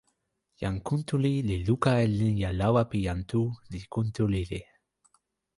jan Kuntuli li luka e linja lawa pi jan Tu, li kuntu lili.